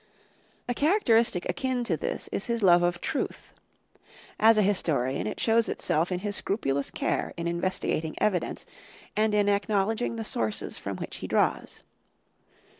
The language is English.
A characteristic akin to this is his love of truth. As a historian, it shows itself in his scrupulous care in investigating evidence and in acknowledging the sources from which he draws.